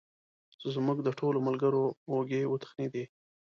زموږ د ټولو ملګرو اوږې وتخنېدې.